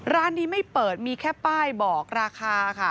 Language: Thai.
ร้านนี้ไม่เปิดมีแค่ป้ายบอกราคาค่ะ